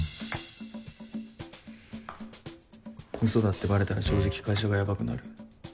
うそだってバレたら正直会社がヤバくなる。